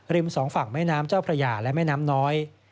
สองฝั่งแม่น้ำเจ้าพระยาและแม่น้ำน้อย